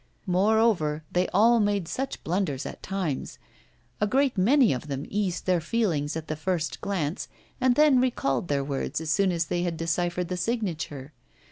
Moreover, they all made such blunders at times. A great many of them eased their feelings at the first glance, and then recalled their words as soon as they had deciphered the signature.